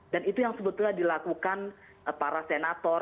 dan itu yang sebetulnya dilakukan para senator